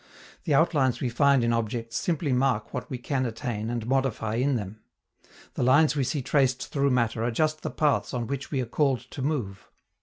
The outlines we find in objects simply mark what we can attain and modify in them. The lines we see traced through matter are just the paths on which we are called to move.